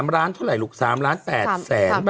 ๓ล้านเท่าไหร่ลูก๓ล้าน๘แสนบาท